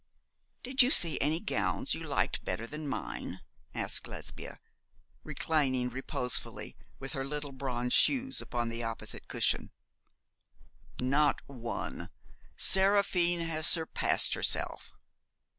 'Did you see any gowns you liked better than mine?' asked Lesbia, reclining reposefully, with her little bronze shoes upon the opposite cushion. 'Not one Seraphine has surpassed herself.'